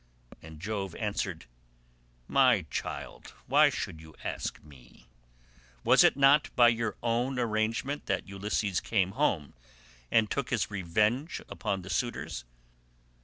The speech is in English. And Jove answered, "My child, why should you ask me? Was it not by your own arrangement that Ulysses came home and took his revenge upon the suitors?